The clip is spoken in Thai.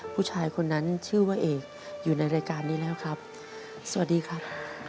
ผู้ชายคนนั้นชื่อว่าเอกอยู่ในรายการนี้แล้วครับสวัสดีครับ